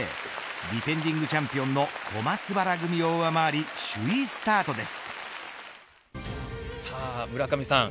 ディフェンディングチャンピオンの小松原組を上回り村上さん